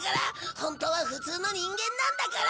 ホントは普通の人間なんだから！